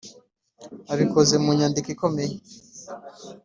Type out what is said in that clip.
abikoze mu nyandiko ikomeye.